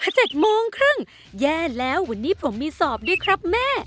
เจ็ดโมงครึ่งแย่แล้ววันนี้ผมมีสอบด้วยครับแม่